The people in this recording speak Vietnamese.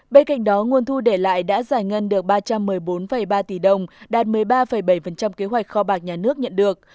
bên cạnh đó nguồn thu để lại đã giải ngân được ba trăm một mươi bốn ba tỷ đồng đạt một mươi ba bảy kế hoạch kho bạc nhà nước nhận được